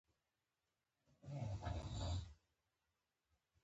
ژبه د ادبياتو بنسټ ده